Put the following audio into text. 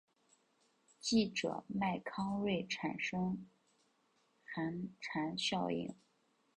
记者麦康瑞产生寒蝉效应。